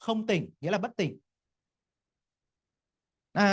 không tỉnh nghĩa là bất tỉnh